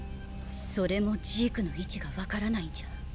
それもジークの位置がわからないんじゃ。